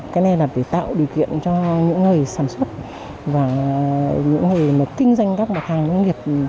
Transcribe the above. cái này là để tạo điều kiện cho những người sản xuất và những người kinh doanh các mặt hàng nông nghiệp